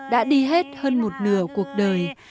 đã đi hết hơn một nửa cuộc đời